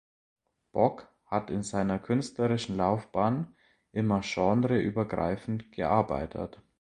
Bock hat in seiner künstlerischen Laufbahn immer genreübergreifend gearbeitet.